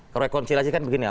kalau rekonciliasi kan begini